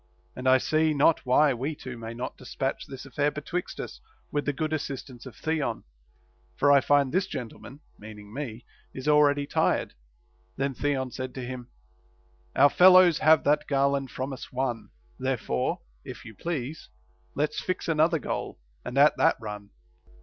And I see not why we two may not despatch this affair betwixt us, with the good assist ance of Theon ; for I find this gentleman (meaning me) is already tired. Then Theon said to him, Our fellows have that garland from us won; therefore, if you please, Let's fix another goal, and at that run.